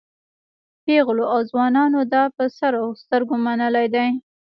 پېغلو او ځوانانو دا په سر او سترګو منلی دی.